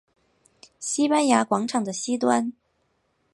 西班牙广场的西端。